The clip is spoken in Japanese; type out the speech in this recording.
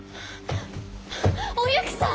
お雪さん！